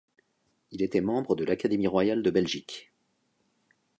Il était membre de l'académie royale de Belgique.